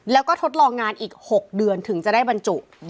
แล้วก็ทดลองงานอีก๖เดือนถึงจะได้บรรจุ